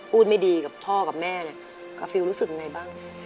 ไม่ดีกับพ่อกับแม่เนี่ยกาฟิลรู้สึกไงบ้าง